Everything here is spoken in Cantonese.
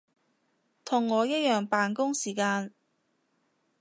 同我一樣扮工時間